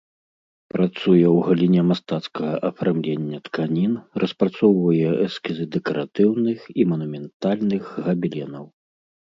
Працуе ў галіне мастацкага афармлення тканін, распрацоўвае эскізы дэкаратыўных і манументальных габеленаў.